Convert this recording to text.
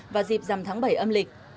vào dịp dằm tháng bảy âm lịch